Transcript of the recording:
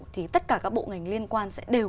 thì tất cả các bộ ngành liên quan sẽ đều